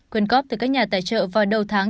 quyên góp từ các nhà tài trợ vào đầu tháng